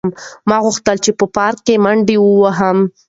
ما غوښتل چې په پارک کې منډه وهم.